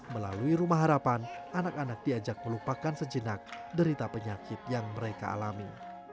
melalui rumah harapan anak anak diajak melupakan sejenak derita penyakit yang mereka alami